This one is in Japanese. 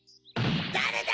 だれだ！